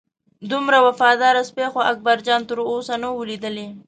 دومره وفاداره سپی خو اکبرجان تر اوسه نه و لیدلی.